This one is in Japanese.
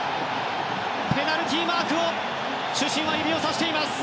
ペナルティーマークを主審は指さしています。